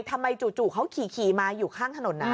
ทำไมจู่เขาขี่มาอยู่ข้างถนนน่ะ